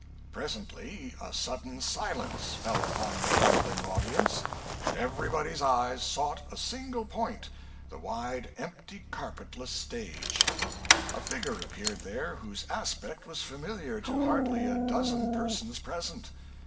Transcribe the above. Presently a sudden silence fell upon the grumbling audience, and everybody's eyes sought a single point the wide, empty, carpetless stage. A figure appeared there whose aspect was familiar to hardly a dozen persons present.